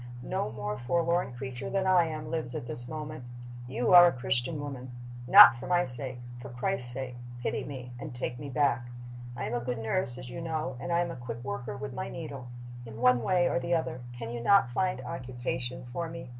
No more forlorn creature than I am lives at this moment. You are a Christian woman. Not for my sake for Christ's sake pity me and take me back. "I am a good nurse, as you know, and I am a quick worker with my needle. In one way or the other can you not find occupation for me?